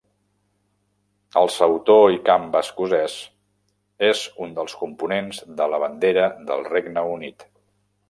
El sautor i camp escocès és un dels components de la bandera del Regne Unit.